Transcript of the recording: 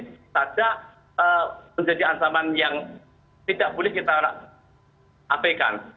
tidak ada menjadi ancaman yang tidak boleh kita hapekan